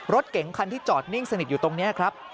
รถเก๋งคันที่จอดนิ่งสนิทอยู่ตรงนี้ครับ